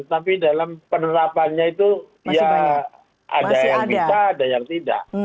tapi dalam penerapannya itu ya ada yang bisa ada yang tidak